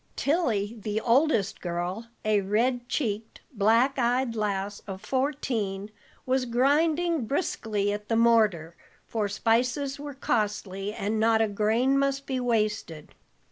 Tilly, the oldest girl, a red cheeked, black eyed lass of fourteen, was grinding briskly at the mortar, for spices were costly, and not a grain must be wasted.